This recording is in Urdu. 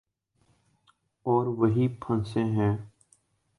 اور وہیں پھنسے ہیں۔